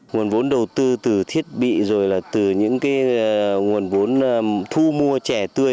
nguồn vốn đầu tư từ thiết bị rồi là từ những nguồn vốn thu mua trẻ tươi